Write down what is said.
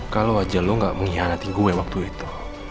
kalau aja lo gak mengkhianati gue waktu itu